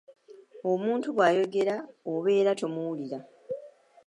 Omuntu bw’ayogera obeera tomuwulira.